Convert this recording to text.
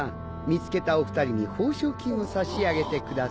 見つけたお二人に報奨金を差し上げてください。